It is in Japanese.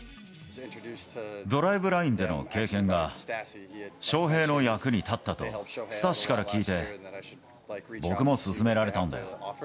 ドライブラインでの経験が、翔平の役に立ったとスタッシから聞いて、僕も勧められたんだよ。